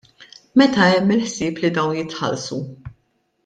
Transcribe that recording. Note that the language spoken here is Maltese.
Meta hemm il-ħsieb li dawn jitħallsu?